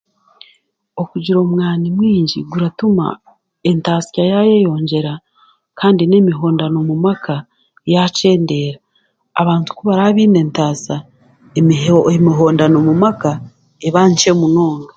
Okugira omwani mwingi guratuma entaasya yaayeyongyera kandi n'emihondano mumaka yaakyendera, abantu kubarikuba baine entaasa, emiho emihondano mumaka ereba nkye munonga